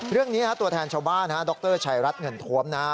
เรื่องนี้ตัวแทนชาวบ้านฮะดรชัยรัฐเงินทวมนะฮะ